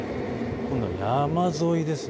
今度は山沿いです。